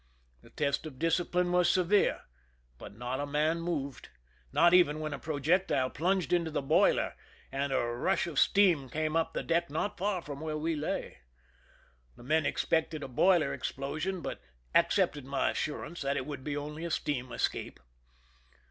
The test of discipline was severe, but not a man moved, not even when a projectile plunged into the boiler, and a rush of steam came up the deck not far from where we lay. The men expected a boiler explo sion, but accepted my assurance that it would be only a steam escape.